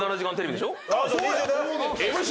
ＭＣ。